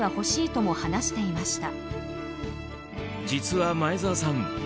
実は前澤さん